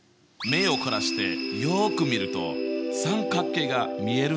目を凝らしてよく見ると三角形が見えるんだけど見えない？